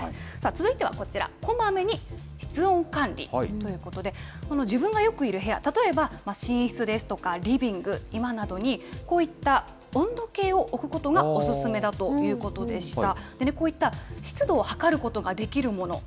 続いてはこちら、こまめに室温管理ということで、この自分がよくいる部屋、例えば寝室ですとか、リビング、居間などに、こういった温度計を置くことがお勧めだということでした。